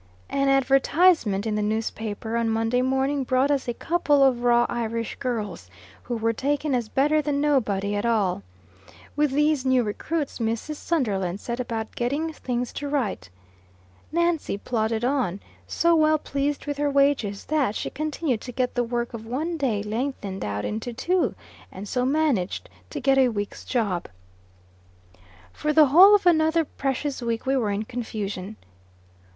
An advertisement in the newspaper on Monday morning, brought us a couple of raw Irish girls, who were taken as better than nobody at all. With these new recruits, Mrs. Sunderland set about getting "things to right." Nancy plodded on, so well pleased with her wages, that she continued to get the work of one day lengthened out into two, and so managed to get a week's job. For the whole of another precious week we were in confusion.